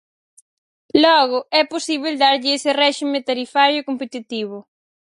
Logo, é posíbel darlle ese réxime tarifario competitivo.